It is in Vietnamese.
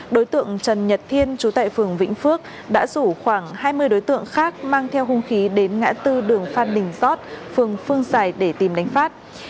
đối tượng trần nhật thiên chú tại phường vĩnh phước đã rủ khoảng hai mươi đối tượng khác mang theo hung khí đến ngã tư đường phan đình giót phường phương giải để tìm đánh phát